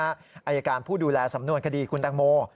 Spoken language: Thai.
อายการผู้ดูแลสำนวนคดีคุณตังโม